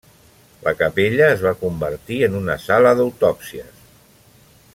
La capella es va convertir en una sala d'autòpsies.